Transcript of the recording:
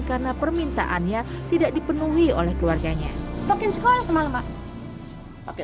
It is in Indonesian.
karena permintaannya tidak dipenuhi oleh keluarganya pakai sekolah semangat pakai